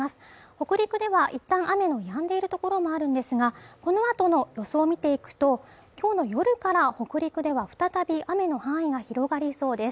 北陸では一旦雨のやんでいるところもあるんですが、この後の予想を見ていくと、今日の夜から北陸では再び雨の範囲が広がりそうです。